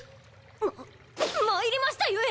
ま参りましたゆえ。